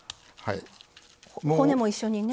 骨も一緒にね。